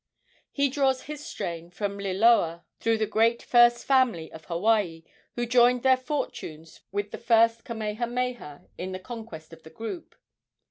He draws his strain from Liloa through the great I family of Hawaii, who joined their fortunes with the first Kamehameha in the conquest of the group.